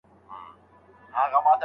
هغه هیڅکله خپله ميرمن یوازي نه پرېږدي.